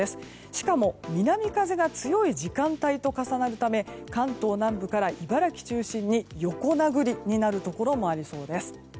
しかも南風が強い時間帯と重なるため関東南部から茨城中心に横殴りになるところもありそうです。